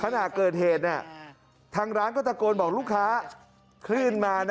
ขนาดเกิดเหตุร้านก็ตะโกนบอกลูกค้า